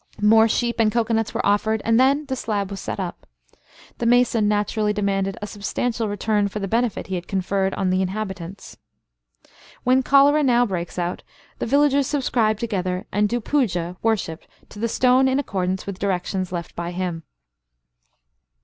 More sheep and cocoanuts were offered, and then the slab was set up. The mason naturally demanded a substantial return for the benefit he had conferred on the inhabitants. When cholera now breaks out, the villagers subscribe together, and do puja (worship) to the stone in accordance with directions left by him."